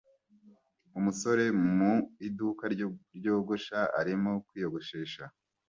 Umusore mu iduka ryogosha arimo kwiyogoshesha